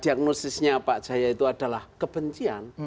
diagnosisnya pak jaya itu adalah kebencian